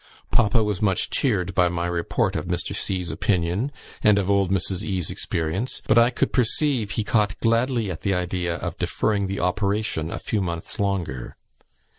Papa was much cheered by my report of Mr. C.'s opinion, and of old Mrs. E.'s experience; but I could perceive he caught gladly at the idea of deferring the operation a few months longer.